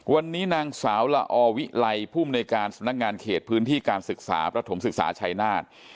วันนี้นางสาวละอวิไลภูมิในการสำนักงานเขตพื้นที่การศึกษาประถมศึกษาชัยนาฏ